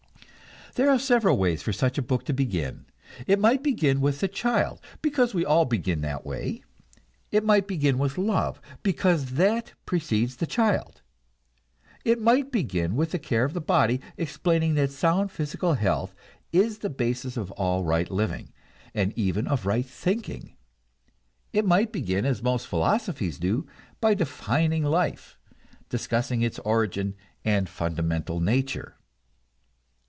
There are several ways for such a book to begin. It might begin with the child, because we all begin that way; it might begin with love, because that precedes the child; it might begin with the care of the body, explaining that sound physical health is the basis of all right living, and even of right thinking; it might begin as most philosophies do, by defining life, discussing its origin and fundamental nature.